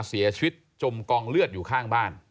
เสียชีวิตจมกองเลือดอยู่ข้างบ้าน